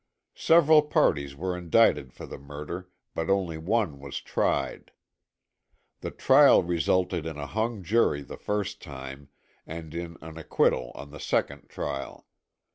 Several parties were indicted for the murder, but one only was tried. The trial resulted in a hung jury the first time, and in an acquittal on the second trial.